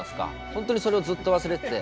本当にそれをずっと忘れてて。